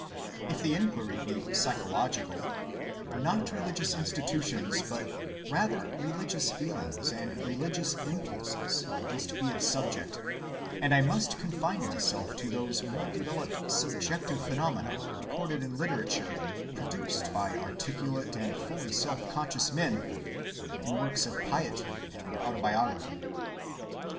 If the inquiry be psychological, not religious institutions, but rather religious feelings and religious impulses must be its subject, and I must confine myself to those more developed subjective phenomena recorded in literature produced by articulate and fully self‐conscious men, in works of piety and autobiography.